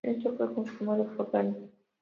Esto fue confirmado por Dani.